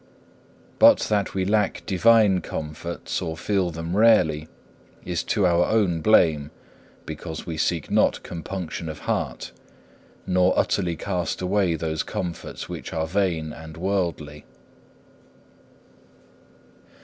But that we lack divine comforts or feel them rarely is to our own blame, because we seek not compunction of heart, nor utterly cast away those comforts which are vain and worldly.